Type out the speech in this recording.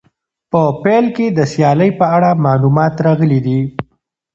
په پیل کې د سیالۍ په اړه معلومات راغلي دي.